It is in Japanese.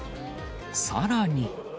さらに。